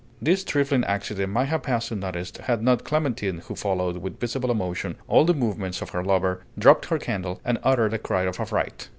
This trifling accident might have passed unnoticed had not Clémentine, who followed with visible emotion all the movements of her lover, dropped her candle and uttered a cry of affright.